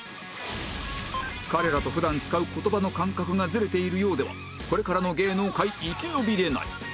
彼らと普段使う言葉の感覚がずれているようではこれからの芸能界生き延びれない